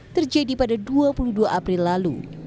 terjadi pada dua puluh dua april lalu